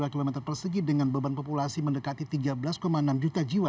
enam ratus enam puluh dua km persegi dengan beban populasi mendekati tiga belas enam juta jiwa